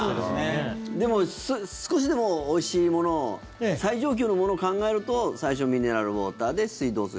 でも少しでもおいしいものを最上級のものを考えると最初、ミネラルウォーターで水道水。